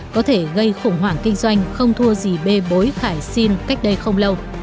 có thể gây khủng hoảng kinh doanh không thua gì bê bối khải xin cách đây không lâu